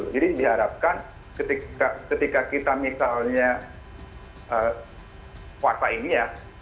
jadi diharapkan ketika kita misalnya kuasa ini ya